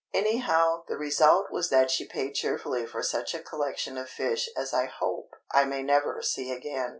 Anyhow, the result was that she paid cheerfully for such a collection of fish as I hope I may never see again.